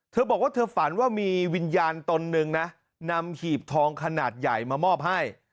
เธอบอกว่าเธอฝันว่ามีวิญญาณตนหนึ่งนะนำหีบทองขนาดใหญ่มามอบให้